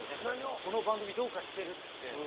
この番組、どうかしてるって。